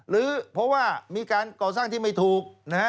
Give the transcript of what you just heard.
ลื้อเพราะว่ามีการก่อสร้างที่ไม่ถูก